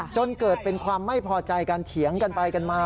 จนเกิดเป็นความไม่พอใจการเถียงกันไปกันมา